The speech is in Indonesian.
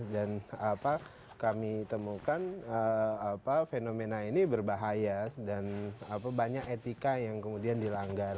dan kami temukan fenomena ini berbahaya dan banyak etika yang kemudian dilanggar